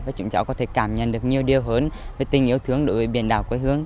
và chúng cháu có thể cảm nhận được nhiều điều hơn về tình yêu thương đối với biển đảo quê hương